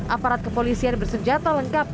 aparat kepolisian bersenjata lengkap